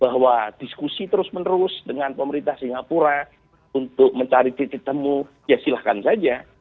bahwa diskusi terus menerus dengan pemerintah singapura untuk mencari titik temu ya silahkan saja